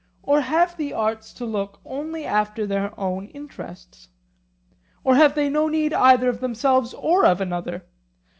Or have the arts to look only after their own interests? Or have they no need either of themselves or of another?